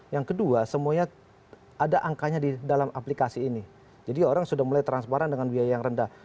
yang kedua semuanya ada angkanya di dalam aplikasi ini jadi orang sudah mulai transparan dengan biaya yang rendah